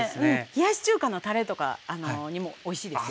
冷やし中華のたれとかにもおいしいですよ。